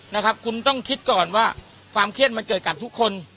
นะครับคุณต้องคิดก่อนว่าความเครียดมันเกิดกับทุกคน